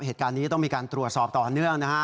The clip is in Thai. เหตุการณ์นี้ต้องมีการตรวจสอบต่อเนื่องนะฮะ